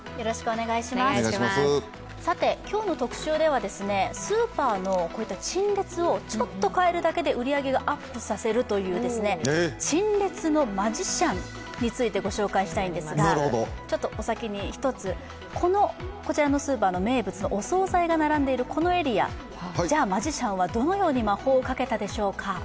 さて、今日の特集ではスーパーの陳列をちょっと変えるだけで売り上げがアップさせるという陳列のマジシャンについてご紹介したいんですがお先に１つ、こちらのスーパーの名物のお総菜が並んでいるこのエリア、じゃあ、マジシャンはどのように魔法をかけたでしょうか？